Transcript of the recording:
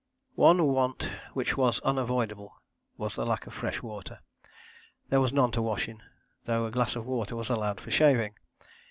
One want which was unavoidable was the lack of fresh water. There was none to wash in, though a glass of water was allowed for shaving!